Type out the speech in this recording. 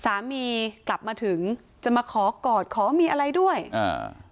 สามีกลับมาถึงจะมาขอกอดขอมีอะไรด้วยอ่า